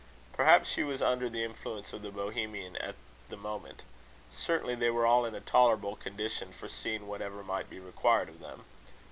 Perhaps she was under the influence of the Bohemian at the moment. Certainly they were all in a tolerable condition for seeing whatever might be required of them.